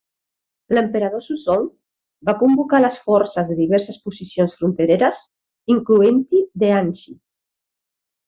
L'emperador Suzong va convocar les forces de diverses posicions frontereres, incloent-hi de Anxi.